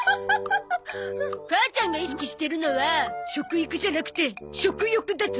母ちゃんが意識してるのは食育じゃなくて食欲だゾ。